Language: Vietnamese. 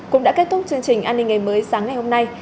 cũng đã kết thúc chương trình an ninh ngày mới sáng ngày hôm nay